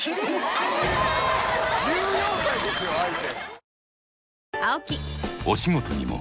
・１４歳ですよ相手！